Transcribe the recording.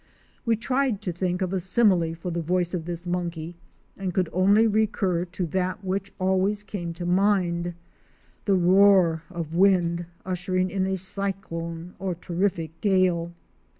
We tried to think of a simile for the voice of this monkey and could only recur to that which always came to mind — the roar of wind, ushering in a cyclone or terrific gale.